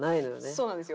そうなんですよ。